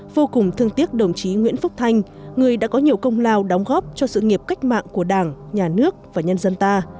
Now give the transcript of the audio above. vô cùng thương tiếc đồng chí nguyễn phúc thanh người đã có nhiều công lao đóng góp cho sự nghiệp cách mạng của đảng nhà nước và nhân dân ta